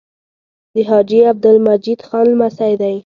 د حاجي عبدالمجید خان لمسی دی.